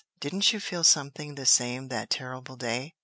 Didn't you feel something the same that terrible day?"